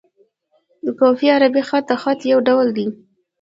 کوفي عربي خط؛ د خط یو ډول دﺉ.